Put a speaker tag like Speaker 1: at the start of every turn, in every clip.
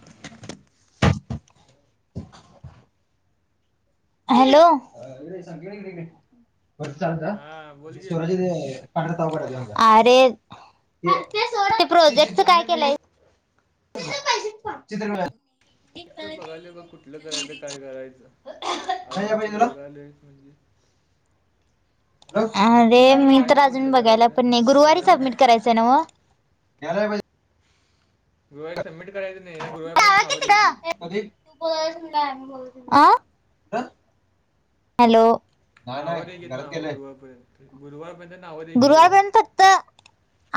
Speaker 1: [inaudible]
Speaker 2: Hello. अरे
Speaker 1: हा बोल की
Speaker 2: ते प्रोजेक्टच काय केलंय? [unintelligible]
Speaker 1: एक तर बघायलो बघ कुठलं करायचं काय करायचं अजून तर बघालोय म्हणजे
Speaker 2: अरे
Speaker 1: अजून
Speaker 2: मी
Speaker 1: ठराय
Speaker 2: तर
Speaker 1: नाही
Speaker 2: अजून
Speaker 1: कुठलं
Speaker 2: बघायला
Speaker 1: करायचं
Speaker 2: पण नाही
Speaker 1: नुसतं
Speaker 2: गुरुवारी
Speaker 1: बघायले
Speaker 2: सबमिट करायचं आहे ना हो?
Speaker 1: गुरुवारी सबमिट करायच नाही ह्या गुरुवार पर्यंत नावं द्यायचित.
Speaker 2: आ हॅलो
Speaker 1: नावं द्यायचीत नावं गुरुवार पर्यंत गुरुवारपर्यंत नाव द्यायचीत गं.
Speaker 2: गुरुवारपर्यंत फक्त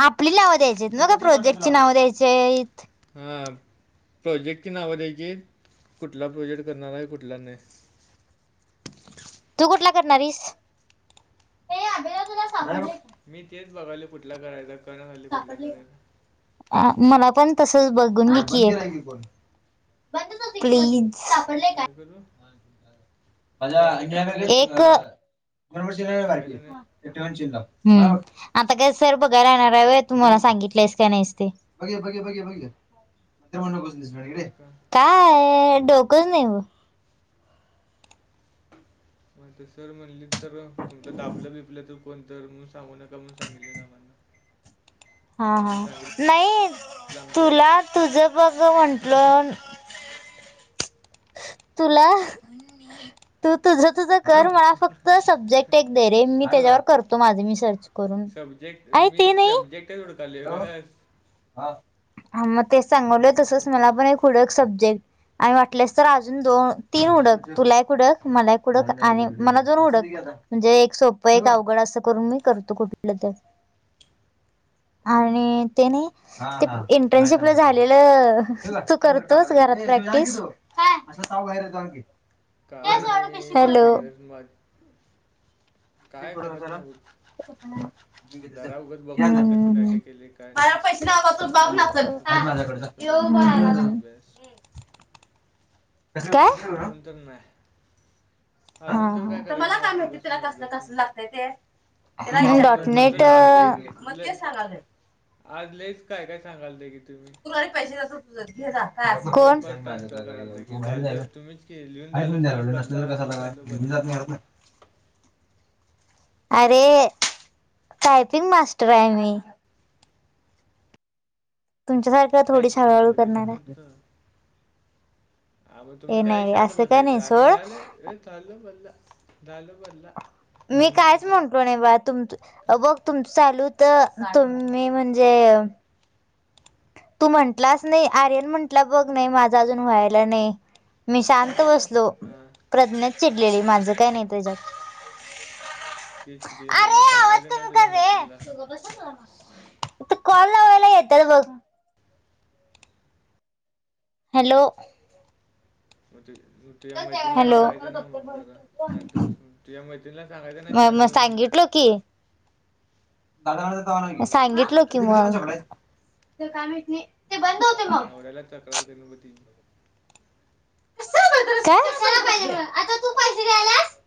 Speaker 2: आपली नावं द्यायचीत ना का प्रोजेक्टची नावं द्यायचेयेत?
Speaker 1: हा प्रोजेक्टची नावं द्यायचीत आहेत कुठला प्रोजेक्ट करणार आहे कुठला नाही.
Speaker 2: तू कुठला करणार आहेस?
Speaker 1: मी तेच बघलोय कुठला करायचा [unintelligible] कुठला करायला?
Speaker 2: अ मला पण तसच बघून मी की प्लीज.
Speaker 1: काय कदो
Speaker 2: एकं
Speaker 1: सांगायचं नाही
Speaker 2: हम्म. आता काय सर बघाय राहणार वय तुम्हाला सांगितलेस का नाहीस ते.
Speaker 1: मग का
Speaker 2: काय डोकच नाही ब.
Speaker 1: म्हणून सर म्हणली तर कोणतं दापलं बिपलं तू कोणतर म्हणू सांगू नका म्हणुन सांगितले नामांना.
Speaker 2: हा हा नाही
Speaker 1: आमच्या
Speaker 2: तुला तुझा बघ म्हंटलं.
Speaker 1: [unintelligible]
Speaker 2: तुला तू तुझं तुझं कर मला फक्त सब्जेक्ट एक दे रे मी त्याच्यावर करतो माझी मी सर्च. करून
Speaker 1: सब्जेक्ट
Speaker 2: आणि
Speaker 1: मी
Speaker 2: ते
Speaker 1: सब्जेक्टच उडकायले. [unintelligible]
Speaker 2: हा म ते सांगवले
Speaker 1: मग
Speaker 2: तसच
Speaker 1: काय
Speaker 2: मला पण एक हुडे एक सब्जेक्ट. आणि वाटलेस तर अजून दोन तीन उडक तुला एक उडक मला एक उडक आणि मला दोन उडक. म्हणजे एक सोपं एक अवघड असं करून मी करतो कुठलं तर. आणि ते नाही
Speaker 1: हम्म.
Speaker 2: ते इंटर्नशिपला झालेलं तू करतोयस घरात प्रॅक्टिस. काय असं साव बाहेर जा की.
Speaker 1: काय हे नाही करत माझ. काय करत नाही हो. घरा उघच
Speaker 2: हम्म
Speaker 1: बघतोय कसं काय
Speaker 2: हम्म
Speaker 1: काय केले काय नाही घरीयाला असं प्रश्न जास् त बसून अभ्यास बिब्यास
Speaker 2: काय
Speaker 1: अजून तर नाय.
Speaker 2: हा
Speaker 1: अजून तर काय कराय नाही असं बसून अभ्यास तेन. आ
Speaker 2: हा
Speaker 1: तू सब
Speaker 2: डॉटनेट
Speaker 1: उत्तर आज लय. [unintelligible] आज लईच काय काय सांगालते की तुम्ही.
Speaker 2: कुणाले पैशे जातात तुझा घे जा.
Speaker 1: लय
Speaker 2: कोण
Speaker 1: फास्ट आन्सर करायला की झालं तुम्हीच की लिहून झालं सर बदला लिहून झालं बदला
Speaker 2: [inaudible] अरे टायपिंग मास्टर आहे मी. तुमच्यासारख्या थोडीच
Speaker 1: आहेच की
Speaker 2: हळहळू
Speaker 1: मागं दिसत
Speaker 2: करणार आहे.
Speaker 1: हा मग
Speaker 2: हे
Speaker 1: तुम्ही
Speaker 2: नाही
Speaker 1: काही
Speaker 2: रे
Speaker 1: शांत
Speaker 2: असं काय
Speaker 1: बसायच
Speaker 2: नाही
Speaker 1: आम्ही
Speaker 2: सोड
Speaker 1: लिहालोय रे चालो बल्ला झालो बल्ला.
Speaker 2: मी कायच म्हणटलो नाही बा तुमच
Speaker 1: का
Speaker 2: बघ तुमच चालू तर तुम्ही म्हणजे तू म्हटलाच नाही आर्यन म्हटला बघ नाही माझा अजून व्हायला नाही. मी शांत बसलो.
Speaker 1: हां
Speaker 2: प्रज्ञा चिडलेली माझं काय नाही तेच्यात. [inaudible]
Speaker 1: तीच तिची मम्मी सांगायला ना तुझ्या मैत्रिणीला.
Speaker 2: [unintelligible] ते कॉल लावायला येत्यात बघ. हॅलो.
Speaker 1: मग ठीक आहे हम्म. तुझ्या मैत्रीणीला
Speaker 2: हॅलो
Speaker 1: सांगायचं ना मग जरा शांत बस म्हणून. तुझ्या मैत्रीणीला सांगायचं ना शांत बस म्हणून.
Speaker 2: हो की.
Speaker 1: हम्म, एवढी
Speaker 2: सांगितलो की
Speaker 1: तावताव करायला ती
Speaker 2: मग.
Speaker 1: काय [unintelligible]
Speaker 2: काय. [unintelligible]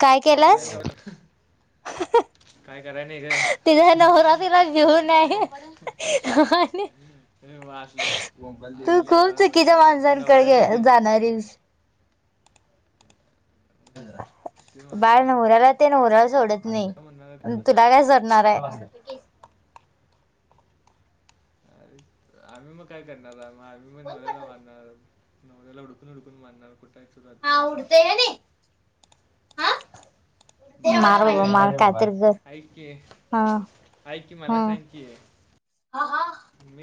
Speaker 2: काय
Speaker 1: तुझ्या
Speaker 2: केलास.
Speaker 1: नवऱ्या काय कराय नाही गं.
Speaker 2: तिचा नवरा बिवरा घेऊन आहे आणि.
Speaker 1: हे मग असली
Speaker 2: तू
Speaker 1: असली
Speaker 2: खूप
Speaker 1: आगाव
Speaker 2: चुकीच्या
Speaker 1: म्हणल्यावर
Speaker 2: माणसांकडेे
Speaker 1: नवऱ्याचं गेल
Speaker 2: जाणारीस.
Speaker 1: ते म्हणाले
Speaker 2: बाळ
Speaker 1: नवरा
Speaker 2: नवऱ्याला ते नवऱ्याला सोडत नाही.
Speaker 1: म्हणणार
Speaker 2: तुला काय सोडणार हाय.
Speaker 1: अरे आम्ही मग काय करणार हाय. आम्ही मग नवऱ्याला मारणार. नवऱ्याला हुडकून हुडकून मारणार. कुठं हाय तुझा तू राहतो
Speaker 2: हा उडतय
Speaker 1: बघू
Speaker 2: हे नी हां.
Speaker 1: बरं राहून
Speaker 2: मार
Speaker 1: दे
Speaker 2: बाबा मार काय तर कर हां.
Speaker 1: हाय की मला सांग की.
Speaker 2: हां हां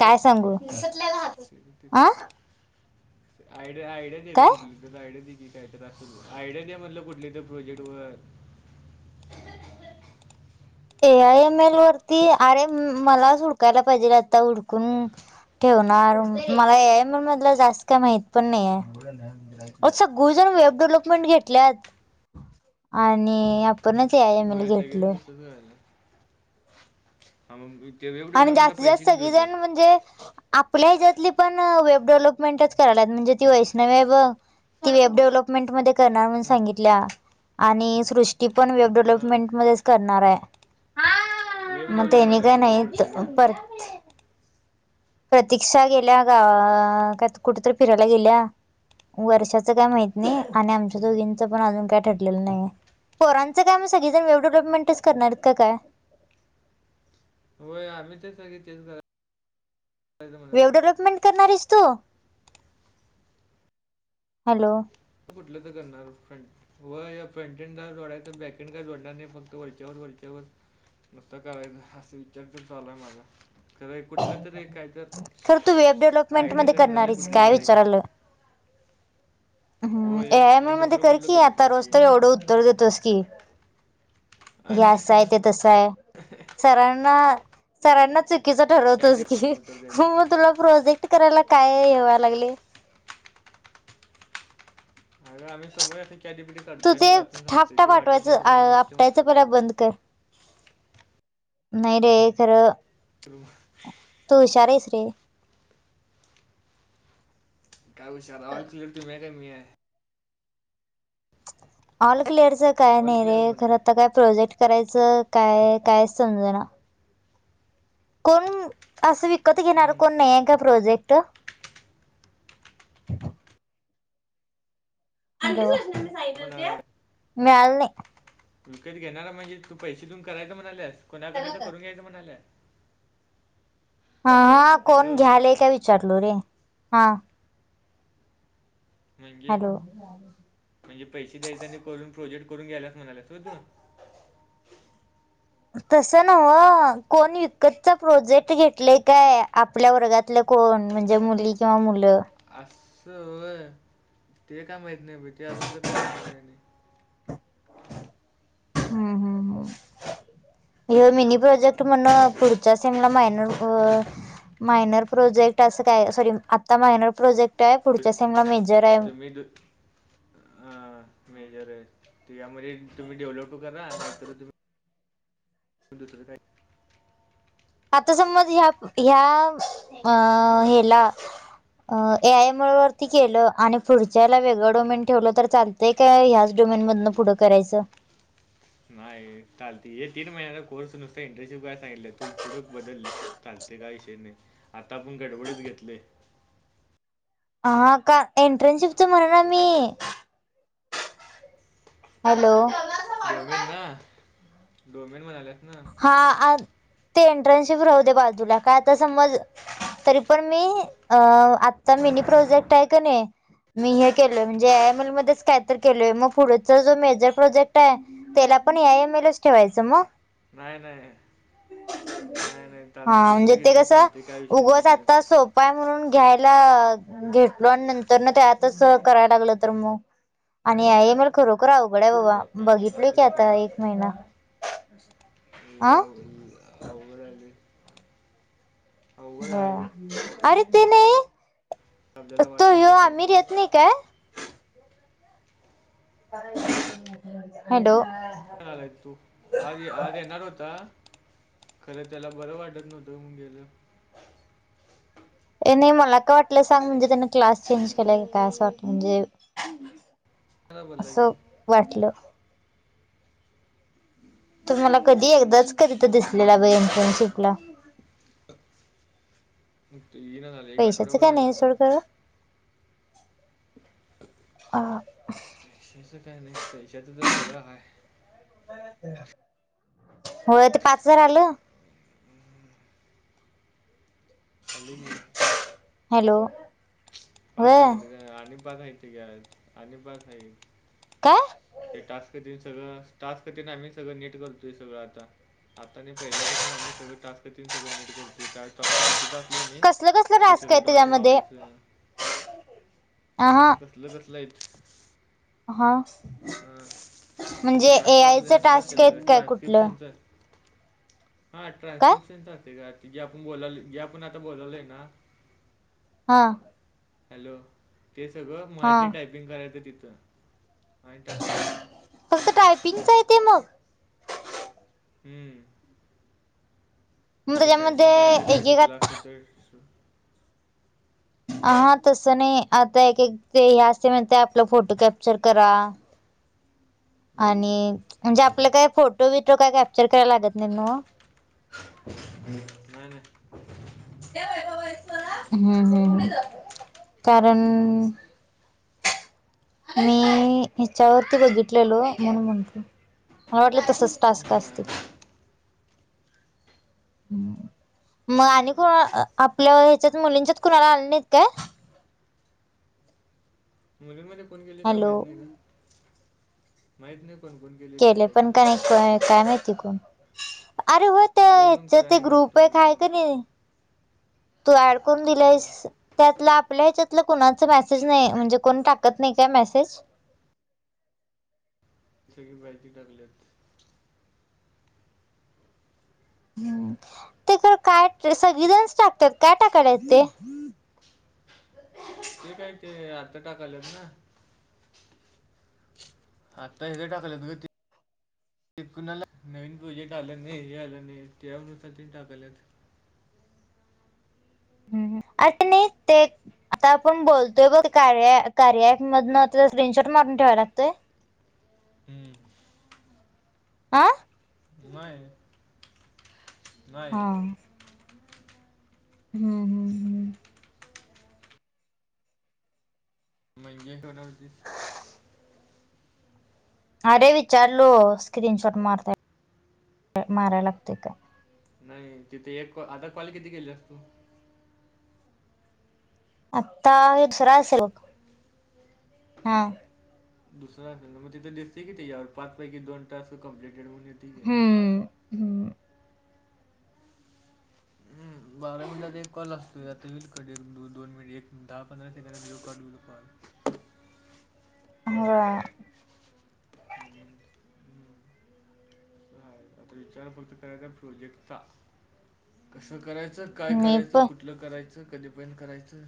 Speaker 2: काय सांगू. अ
Speaker 1: आयडिया आयडिया दे गं
Speaker 2: काय
Speaker 1: कुठली. आयडिया दे काय तर आयडिया दे म्हटल कुठली तरी प्रोजेक्टवर.
Speaker 2: ए आय एम एल वरती अरे मलाच हुडकायला पाहिजे आता हुडकून. ठेवणार मला हे एक आय एम एल मधलं जास्त काय माहित पण नाही ये. अ सगळीजण वेब डेव्हलपमेंट घेतल्यात. आणि आ कुणाची हाय.
Speaker 1: व्हयं सगळीजण तसंच करालेत. हां मग [unintelligible]
Speaker 2: आणि
Speaker 1: डेव्हपमेंटला
Speaker 2: जास्तीत
Speaker 1: पैसे
Speaker 2: जास्त
Speaker 1: किती होतं.
Speaker 2: सगळीजण म्हणजे, आपल्या हिच्यातली पण वेब डेव्हलपमेंटच कराल्यात म्हणजे ती वैष्णवी हाय बघ. ती वेब डेव्हलपमेंट मध्ये करणार म्हणून सांगितल्या. आणि सृष्टी पण वेब
Speaker 1: हां
Speaker 2: डेव्हलपमेंट मध्येच करणार हाय.
Speaker 1: वेब डेव्हलपमेंटच सोपं पडतंय गं.
Speaker 2: परत. प्रतीक्षा गेल्या गावा काय कुठं तरी फिरायला गेल्या. वर्षाचं काय माहित नाही आणि आमच्या
Speaker 1: हम्म.
Speaker 2: दोघींचं पण अजून काय ठरलेलं नाही ये. पोरांच काय मग सगळीजण वेब डेव्हलपमेंटच करणार आहेत काय.
Speaker 1: व्हयं आम्ही तर सगळे तेच करायचं म्हणा [unintelligible]
Speaker 2: वेब डेव्हलपमेंट करणार हायस तू हॅलो.
Speaker 1: कुठलं तर करणार फ्रेंड. व या फ्रंटेड का जोडायच, बॅकेंड का जोडणार नाही फक्त वरच्या व वरच्यावर नुसतं करायचं असं विचारच चालूय माझा. कुठलं तरी एक काहीतरी
Speaker 2: खरं तू वेब डेव्हलपमेंट
Speaker 1: आयडिया
Speaker 2: मध्ये
Speaker 1: कळना झाल्या,
Speaker 2: करणारीच
Speaker 1: काय करायचं?
Speaker 2: विचारालं हम्म
Speaker 1: होय
Speaker 2: एयम
Speaker 1: आणि
Speaker 2: आयमध्ये
Speaker 1: दुसरं
Speaker 2: कर
Speaker 1: कुठलं
Speaker 2: की
Speaker 1: करू
Speaker 2: आता
Speaker 1: सांग
Speaker 2: रोज
Speaker 1: की.
Speaker 2: तर एवढं उत्तर देतोस की.
Speaker 1: आय
Speaker 2: यास आहे, ते तस आहे सरांना सरांनाच
Speaker 1: चॅट
Speaker 2: ठरवतोस
Speaker 1: जी
Speaker 2: की
Speaker 1: आणि उत्तर
Speaker 2: म,
Speaker 1: द्यायचं असतं.
Speaker 2: मग तुला प्रोजेक्ट करायला काय हे व्हाय लागलय?
Speaker 1: आणि आमही सगळं आणतोय चॅटजीपीटी
Speaker 2: तू
Speaker 1: काढतोय
Speaker 2: ते थापटा पाठवायचं, आ
Speaker 1: वाटते
Speaker 2: आपटायचं
Speaker 1: उत्तर
Speaker 2: पहिलं
Speaker 1: द्यायला.
Speaker 2: बंद कर. नाय रे खरं
Speaker 1: तृव्ह
Speaker 2: तू हुशार आहेस रे.
Speaker 1: काय हुशार ऑल क्लिअर तुम्ही हाय का मी हाय.
Speaker 2: ऑल क्लिअरच काय
Speaker 1: ऑल
Speaker 2: नाही
Speaker 1: क्लिअर
Speaker 2: रे,
Speaker 1: कोण आहे?
Speaker 2: खरं तर काय प्रोजेक्ट करायचं काय कायच समज ना. कोण असं विकत घेणार
Speaker 1: हम्म.
Speaker 2: कोण नाही आहे का प्रोजेक्ट? हॅलो
Speaker 1: पण
Speaker 2: मिळालं
Speaker 1: अ,
Speaker 2: नई.
Speaker 1: विकत घेणारा म्हणजे तू पैसे देऊन करायचं म्हणायल्यास, कोणाकडून तरी करून घ्यायचं म्हणायल्यास.
Speaker 2: अहं कोण
Speaker 1: हॅलो
Speaker 2: घ्यालय का विचारलो रे हा.
Speaker 1: म्हणजे
Speaker 2: हॅलो
Speaker 1: म्हणजे पैसे द्यायचे आणि करून प्रोजेक्ट करून ग्यायलास म्हणायल्यास व तू?
Speaker 2: तस नव, कोण विकतचा प्रोजेक्ट घेतलाय काय आप ल्या वर्गातल्या कोण म्हणजे मुली किंवा मुलं.
Speaker 1: आस होय? ते काय माहीत नाय बय ते अजून तर काय करण्यात आलय.
Speaker 2: हम्म हम्म हम्म. हे मिनी प्रोजेक्ट म्हण, पुढच्या सेमला मायनर अ मायनर प्रोजेक्ट असं काय, सॉरी आता मायनर प्रोजेक्ट आय.
Speaker 1: तुम्ही द अ मेजर आहे, यामध्ये तुम्ही डेव्हलप. तो करा नाही तर तुम्ह दुसंर काय.
Speaker 2: आता समज ह्या ह्या अ हेला अ ए आयम वरती केलं आणि पुढच्याला वेगळंओमेन ठेवलं तर चाल ते काय ह्याच डोमेनमधनं पुढं करायचं?
Speaker 1: नाही चालत हे तीन महिन्याचा कोर्स नुसता इंटरनशिप कराय सांगितलंय तू फुढं बदललीत. चालते का इषय नाही, आता आपण गडबडीत घेतलय.
Speaker 2: हा का? एट्रनसशिप म्हणना मी. हॅलो
Speaker 1: डोमेन ना? डोमेन म्हणालीयास ना?
Speaker 2: हा ते एंटरनशिप राहुदे बाजूला, काय आता समज. तरी पण मी अ आता मिनी प्रोजेक्ट आहे का नाही. मी हे केलय म्हणजे एय एम एल मध्येच काय तर केलोय, मग पुढेचा जो मेजर प्रोजेक्ट आहे त्याला पण एय एम एलच ठेवायचं मग?
Speaker 1: नाही नाही नाही नाही
Speaker 2: हा
Speaker 1: चाल
Speaker 2: म्हणजे
Speaker 1: दुसरी घेतलीच चालते काय विषय नाही तेच्यात.
Speaker 2: पाय म्हणून घ्यायला घेतलो आणि नंतर ना ते आता सह करायला लागलं तर मग. आणि एम ऐल खरोखर अवघड आहे बाबा
Speaker 1: नाही नाही
Speaker 2: बघितले की
Speaker 1: असं कसं
Speaker 2: आता एक महिना
Speaker 1: लय
Speaker 2: अ
Speaker 1: लय अवघड म्हणजे
Speaker 2: हो अरे ते नाही
Speaker 1: आपल्याला
Speaker 2: तो
Speaker 1: वाटायला
Speaker 2: यो
Speaker 1: तर
Speaker 2: आमिर
Speaker 1: सोपं आहे
Speaker 2: येत नाही काय? हॅलो.
Speaker 1: [unintelligible] आ आज येणार होता. खरं त्याला बरं वाटत नव्हतं म्हणून गेलं.
Speaker 2: ये नाही मला काय वाटलं सांग. म्हणजे त्यानं क्लास चेंज केलाय का काय असं वाटल. म्हणजे
Speaker 1: मला बोलला
Speaker 2: असं
Speaker 1: की
Speaker 2: वाटलं. तु मला कधी एकदाच कधीतर दिसलेला बाई इंटर्नशिपला.
Speaker 1: तो येईना झालं एक
Speaker 2: पैशाचं
Speaker 1: आठवडाभर
Speaker 2: काय
Speaker 1: झाल आला
Speaker 2: सोड
Speaker 1: नाही.
Speaker 2: खरं
Speaker 1: [inaudible]
Speaker 2: आ.
Speaker 1: पैशाचं काय नाही पैशाचं तर सगळं हाय.
Speaker 2: होय ते पाच हजार आलं.
Speaker 1: आलं की.
Speaker 2: हॅलो.
Speaker 1: पाच
Speaker 2: व्हय
Speaker 1: आलेत गं आणि पाच आहेत आणि पाच हाईत.
Speaker 2: काय.
Speaker 1: ते टास्कतेन सगळं टास्कतेन आम्ही सगळं नीट करतोय सगळं आता. आता नाही पहिल्यापासूनच आम्ही सगळं टास्क तेन सगळं नीट करतोय काय टॉप. चुकीचं असलो कणी
Speaker 2: कसलं कसलं
Speaker 1: ते
Speaker 2: टास्क आहे
Speaker 1: सगळं डॉट
Speaker 2: त्याच्यामध्ये अ
Speaker 1: लावायचं.
Speaker 2: हा
Speaker 1: टास्क कसल कसलं आहेत.
Speaker 2: हा
Speaker 1: हां
Speaker 2: म्हणजे ए
Speaker 1: टास्क
Speaker 2: आयच
Speaker 1: आपलं असलं
Speaker 2: टास्क
Speaker 1: असतात गं
Speaker 2: आहेत काय कुठलं.
Speaker 1: हा
Speaker 2: काय
Speaker 1: ट्रान्स्क्रिप्शन राहते गं. जे आपण बोलालोय जे आपण आता बोलालोय ना.
Speaker 2: हा.
Speaker 1: हॅलो ते सगळं
Speaker 2: हा
Speaker 1: मराठी टायपिंग करायचं तिथं. आणि टाकायचं असतंय.
Speaker 2: फक्त टायपिंग च आहे ते मग.
Speaker 1: हम.
Speaker 2: मग
Speaker 1: ते
Speaker 2: त्याच्यामध्ये
Speaker 1: टायपिंग करायचं काय चुकलं
Speaker 2: एकेकात
Speaker 1: असेल तर.
Speaker 2: आ हा तसं नाही आता एकेक ते हे असतंय आपलं फोटो कॅप्चर करा.
Speaker 1: हं.
Speaker 2: आणि म्हणजे आपलं काय फोटो विटो काय कॅप्चर करायला लागत नाही नव्ह.
Speaker 1: नाही नाही.
Speaker 2: हम्म हम्म कारण. आणि हेच्यावरती बघितलेलो म्हणून म्हणलो. मला वाटलं तसंच टास्क
Speaker 1: नाही,
Speaker 2: असतील.
Speaker 1: नाही.
Speaker 2: मग
Speaker 1: नाही,
Speaker 2: आणि
Speaker 1: नाही.
Speaker 2: कुणा आपल्या हेच्यात मुलींच्याच कुणाला आले नाहीत काय.
Speaker 1: मुलीनं मध्ये कोण गेले काय
Speaker 2: हॅलो
Speaker 1: माहित नाही गं. माहित नाही. कोण कोण गेलं.
Speaker 2: केले पण का नाही काय माहिती कोण. अरे हो ते
Speaker 1: लय दोन करायला
Speaker 2: हेच्यात एक
Speaker 1: नाहीत
Speaker 2: ग्रुप
Speaker 1: वाटतं
Speaker 2: हाय
Speaker 1: मुलींमध्ये.
Speaker 2: कणी. तू ऍड करून दिलायस.
Speaker 1: हां.
Speaker 2: त्यातलं आपल्या हेच्यातलं कुणाच मेसेज नाही. म्हणजे कोण टाकत नाही काय मेसेज.
Speaker 1: सगळी बाहेरची टाकलेत.
Speaker 2: ह ते खरं काय सगळीजणच टाकत्यात काय टाकायलेत ते.
Speaker 1: ते काय ते आता टाकालेत ना. आता हेच टाकाल्यात गं ते. एक कुणाला नवीन प्रोजेक्ट आल नाही. हे आलं नाही त्या अनुसार तेनी टाकाल्यात.
Speaker 2: ह ह आगं नाही ते. आता आपण बोलतोय बघ कार्या कार्या ऐप मधनं स्क्रीनशॉट मारून ठेवाय लागतंय?
Speaker 1: हम्म.
Speaker 2: आं
Speaker 1: नाय
Speaker 2: हां हम्म. हम्म.
Speaker 1: म्हणजे कळवतीस
Speaker 2: अरे विचारलो स्क्रीन शॉट मारताय मारय लागते का?
Speaker 1: नाही तिथे एक कॉ आता कॉल किती केल्यास तू?
Speaker 2: आत्ता हे दुसरा असेल बघ हा.
Speaker 1: दुसरा असेल ना म तिथे दिसतय की त्याजवर पाच पैकी दोन टास्क कम्प्लिटेड होऊन येतंय की.
Speaker 2: हम्म हम्म.
Speaker 1: बारा मिनिटात एक कॉल असतोय आता येईल क दो दोन मिनिट दहा पंधरा सेकड ये कट होईल कॉल.
Speaker 2: हवा
Speaker 1: [unintelligible] आता विचार फक्त करायचा प्रोजेक्टचा कसा करायचा काय
Speaker 2: मी
Speaker 1: करायचं
Speaker 2: पण
Speaker 1: कु ठला करायचं कधी पण करायचं.